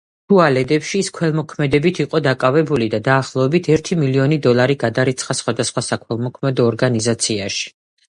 შუალედებში ის ქველმოქმედებით იყო დაკავებული და დაახლოებით ერთი მილიონი დოლარი გადარიცხა სხვადასხვა საქველმოქმედო ორგანიზაციაში.